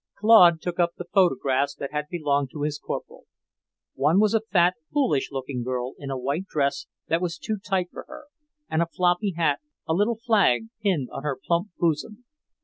Claude took up the photographs that had belonged to his corporal; one was a fat, foolish looking girl in a white dress that was too tight for her, and a floppy hat, a little flag pinned on her plump bosom.